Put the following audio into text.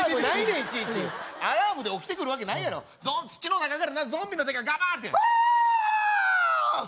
いちいちアラームで起きてくるわけないやろ土の中からゾンビの手がガバーッてはあーっ！